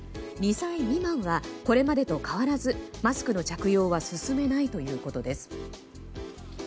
２歳未満はこれまでと変わらずマスクの着用は勧めないということです。